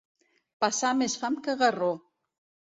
Passar més fam que Garró.